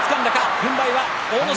軍配は阿武咲。